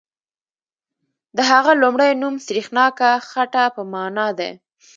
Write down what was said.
د هغه لومړی نوم سریښناکه خټه په معنا دی.